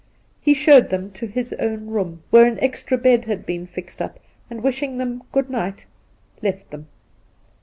He showed them to his own room, where an extra bed had been fixed up, and wishing them ' Good night,' left them.